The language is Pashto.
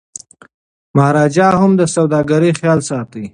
مهاراجا هم د سوداګرو خیال ساتي.